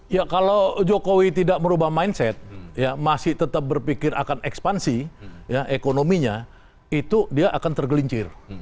ya kalau jokowi tidak merubah mindset masih tetap berpikir akan ekspansi ekonominya itu dia akan tergelincir